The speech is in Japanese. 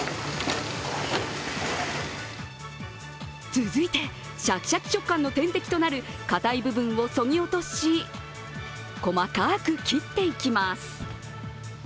続いて、しゃきしゃき食感の天敵となる硬い部分をそぎ落とし、細かく切っていきます。